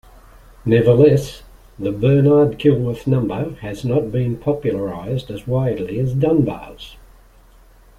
Nevertheless, the Bernard-Killworth number has not been popularized as widely as Dunbar's.